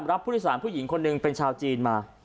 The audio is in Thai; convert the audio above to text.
รับผู้โดยสารผู้หญิงคนหนึ่งเป็นชาวจีนมา